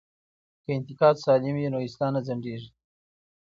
که انتقاد سالم وي نو اصلاح نه ځنډیږي.